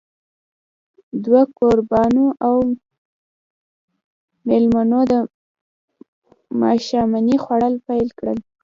دوه کوربانو او مېلمنو د ماښامنۍ خوړل پيل کړل.